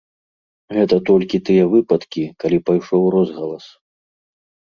Гэта толькі тыя выпадкі, калі пайшоў розгалас.